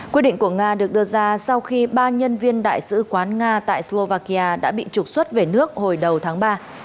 quyết định của nga được đưa ra sau khi ba nhân viên đại sứ quán nga tại slovakia đã bị trục xuất về nước hồi đầu tháng ba